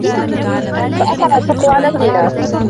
فَآثَرَ الْفَقْرَ عَلَى الْغِنَى